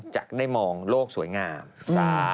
จะได้มองโลกสวยงาม